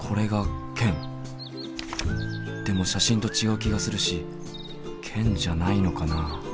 でも写真と違う気がするしケンじゃないのかな？